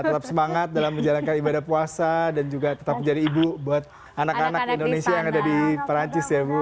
tetap semangat dalam menjalankan ibadah puasa dan juga tetap menjadi ibu buat anak anak indonesia yang ada di perancis ya bu